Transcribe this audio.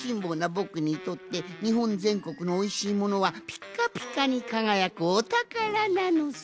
ぼくにとってにほんぜんこくのおいしいものはピッカピカにかがやくお宝なのさ！